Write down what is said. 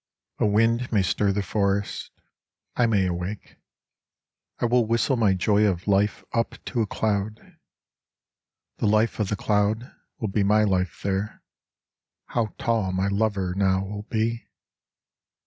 A wind may stir the forest, I may awake, I will whistle my joy of life up to a cloud : The life of the cloud will be my life there. How tall my lover now will be